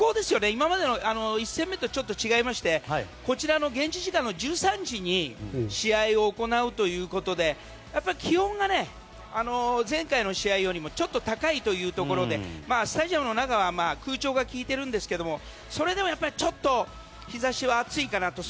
今までの１戦目とちょっと違いましてこちらの現地時間１３時に試合を行うということで気温が前回の試合よりもちょっと高いというところでスタジアムの中は空調が利いているんですけどもそれでもちょっと日差しは暑いかなと。